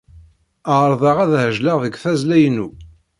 Ɛerḍeɣ ad ɛejleɣ deg tazzla-inu.